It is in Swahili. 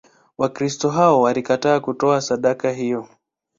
Wakristo hao walikataa kutoa sadaka hiyo.